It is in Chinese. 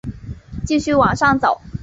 继续往上走